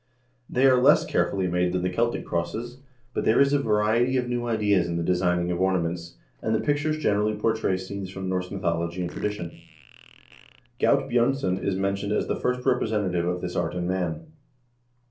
They are less care fully made than the Celtic crosses, but there is a variety of new ideas in the designing of ornaments, and the pictures generally portray scenes from Norse mythology and tradition. Gaut Bj0rnson is men tioned as the first representative of this art in Man.